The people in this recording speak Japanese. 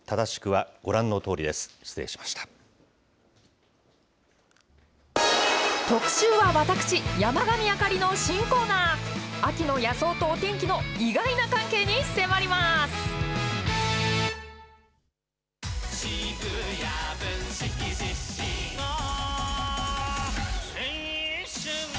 秋の野草とお天気の意外な関係に迫ります。